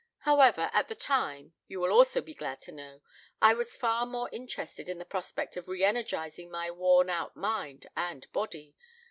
However, at the time, you will also be glad to know, I was far more interested in the prospect of reënergizing my worn out mind and body.